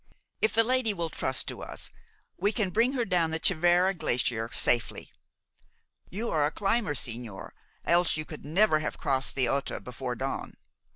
If the lady will trust to us, we can bring her down the Tschierva glacier safely. You are a climber, sigñor, else you could never have crossed the Ota before dawn.